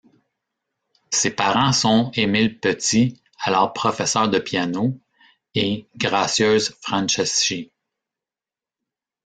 Ses parents sont Émile Petit, alors professeur de piano, et Gracieuse Franceschi.